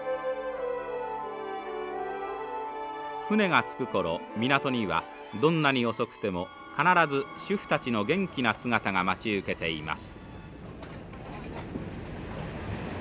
船が着く頃港にはどんなに遅くても必ず主婦たちの元気な姿が待ち受けています。